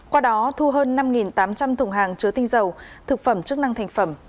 qua đó thu hơn năm tám trăm linh thùng hàng chứa tinh dầu thực phẩm chức năng thành phẩm